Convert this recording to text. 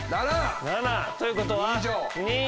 ７ということは。